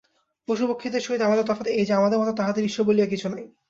পশুপক্ষীদের সহিত আমাদের তফাত এই যে, আমাদের মত তাহাদের ঈশ্বর বলিয়া কিছু নাই।